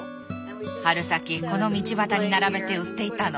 春先この道端に並べて売っていたの。